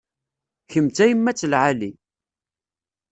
Kemm d tayemmat n lεali.